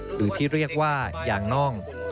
หรือที่เรียกว่ายางน่อง